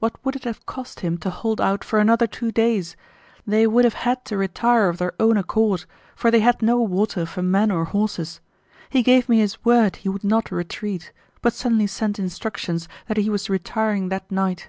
What would it have cost him to hold out for another two days? They would have had to retire of their own accord, for they had no water for men or horses. He gave me his word he would not retreat, but suddenly sent instructions that he was retiring that night.